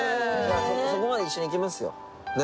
そこまで一緒に行きますよねっ。